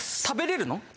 食べれるの？